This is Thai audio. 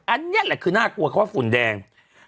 อันนี้แหละคือน่ากลัวเพราะว่าฝุ่นแดง